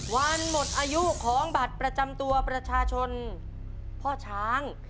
วันหมดอายุของบัตรประจำตัวประชาชนพ่อช้าง